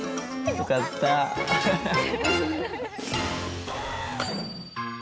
よかったね。